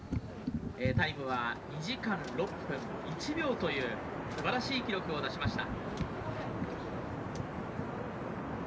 タイムは２時間６分１秒というすばらしい記録を出しました。